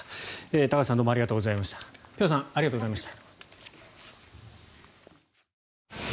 高橋さん、辺さんどうもありがとうございました。